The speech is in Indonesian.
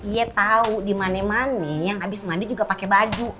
iya tau di mane mane yang abis mandi juga pake baju